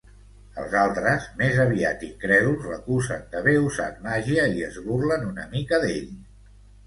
Els altres, més aviat incrèduls, l'acusen d'haver usat màgia i es burlen una mica d'ell.